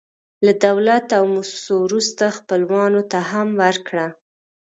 له دولت او موسسو وروسته، خپلوانو ته هم ورکړه.